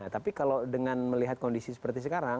tapi kalau dengan melihat kondisi seperti sekarang